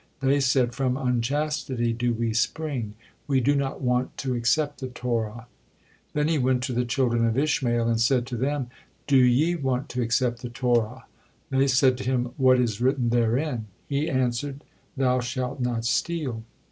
They said: "From unchastity do we spring; we do no want to accept the Torah." Then He went to the children of Ishmael and said to them, "Do ye want to accept the Torah?" They said to Him, "What is written therein?" He answered, "Thou shalt not steal."